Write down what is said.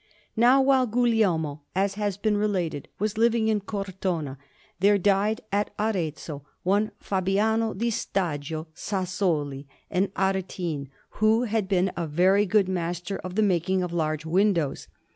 Now while Guglielmo, as has been related, was living in Cortona, there died at Arezzo one Fabiano di Stagio Sassoli, an Aretine, who had been a very good master of the making of large windows.